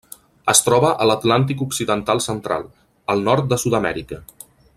Es troba a l'Atlàntic occidental central: el nord de Sud-amèrica.